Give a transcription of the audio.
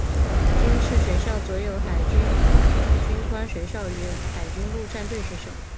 军事学校则有海军军官学校与海军陆战队学校。